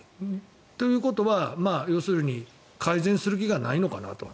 ということは要するに改善する気がないのかなと。